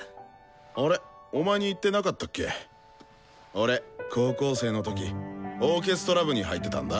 俺高校生の時オーケストラ部に入ってたんだ。